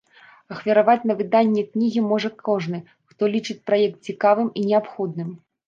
Ахвяраваць на выданне кнігі можа кожны, хто лічыць праект цікавым і неабходным.